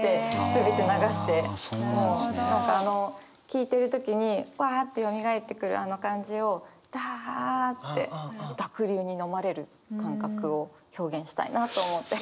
聴いてる時にわあってよみがえってくるあの感じをだあって濁流に飲まれる感覚を表現したいなと思って。